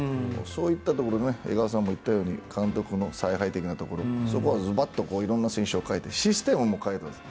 そういったところで江川さんも言ったように監督の采配的なところそこはズバッといろんな選手を替えてシステムも変えるんです。